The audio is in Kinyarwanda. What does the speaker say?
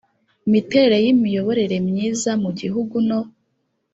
miterere y imiyoborere myiza mu gihugu no